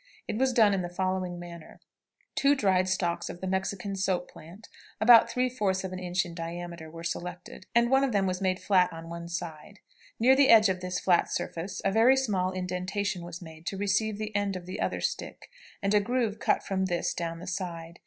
It was done in the following manner: Two dried stalks of the Mexican soap plant, about three fourths of an inch in diameter, were selected, and one of them made flat on one side; near the edge of this flat surface a very small indentation was made to receive the end of the other stick, and a groove cut from this down the side.